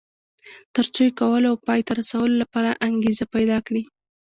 تر څو یې کولو او پای ته رسولو لپاره انګېزه پيدا کړي.